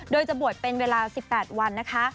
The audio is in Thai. โดยจะบวชเป็นเวลา๑๘วันนะคะ